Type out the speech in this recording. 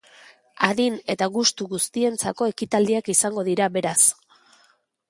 Adin eta gustu guztientzako ekitaldiak izango dira, beraz.